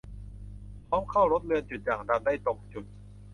พร้อมเข้าลดเลือนจุดด่างดำได้ตรงจุด